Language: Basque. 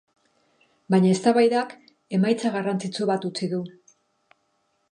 Baina eztabaidak emaitza garrantzitsu bat utzi du.